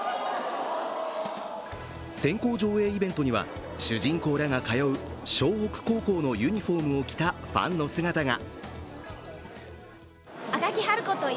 先行上映イベントには主人公らが通う湘北高校のユニフォームを着たファンの姿が。